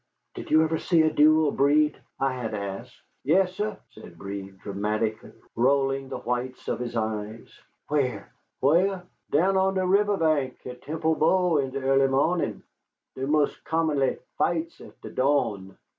"Did you ever see a duel, Breed?" I had asked. "Yessah," said Breed, dramatically, rolling the whites of his eyes. "Where?" "Whah? Down on de riveh bank at Temple Bow in de ea'ly mo'nin'! Dey mos' commonly fights at de dawn."